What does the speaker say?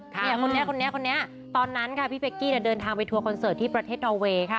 คนนี้คนนี้คนนี้ตอนนั้นค่ะพี่เป๊กกี้เดินทางไปทัวร์คอนเสิร์ตที่ประเทศนอเวย์ค่ะ